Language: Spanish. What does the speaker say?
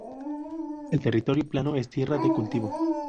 El territorio plano es tierra de cultivo.